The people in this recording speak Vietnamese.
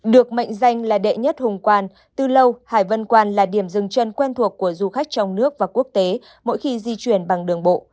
được mệnh danh là đệ nhất hùng quan từ lâu hải vân quan là điểm dừng chân quen thuộc của du khách trong nước và quốc tế mỗi khi di chuyển bằng đường bộ